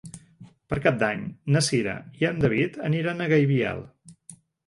Per Cap d'Any na Cira i en David aniran a Gaibiel.